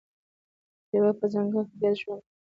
لیوه په ځنګل کې ګډ ژوند کوي.